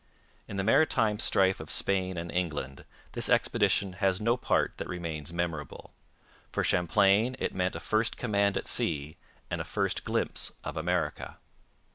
In the maritime strife of Spain and England this expedition has no part that remains memorable. For Champlain it meant a first command at sea and a first glimpse of America.